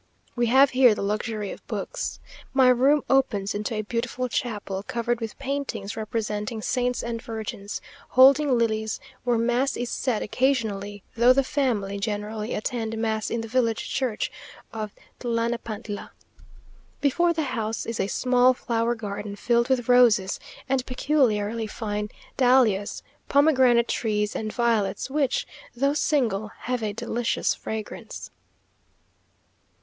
We have here the luxury of books. My room opens into a beautiful chapel, covered with paintings representing saints and virgins holding lilies, where mass is said occasionally, though the family generally attend mass in the village church of Tlanapantla. Before the house is a small flower garden filled with roses and peculiarly fine dahlias, pomegranate trees and violets, which, though single, have a delicious fragrance.